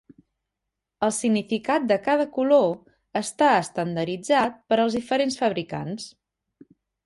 El significat de cada color està estandarditzat per als diferents fabricants.